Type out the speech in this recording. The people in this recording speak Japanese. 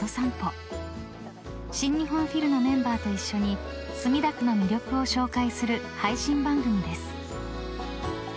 ［新日本フィルのメンバーと一緒に墨田区の魅力を紹介する配信番組です］